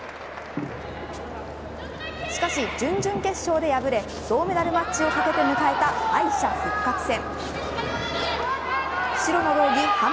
しかし、準々決勝で敗れ銅メダルマッチを懸けて迎えた敗者復活戦。